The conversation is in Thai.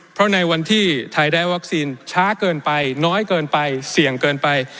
เพราะในวันที่ไทยได้วัคซีนช้าเกินไปน้อยเกินไปเสี่ยงเกินไป